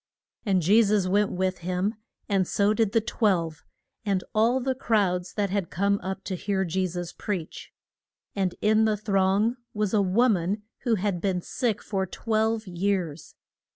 And Je sus went with him, and so did the twelve, and all the crowd that had come up to hear Je sus preach. And in the throng was a wo man who had been sick for twelve years.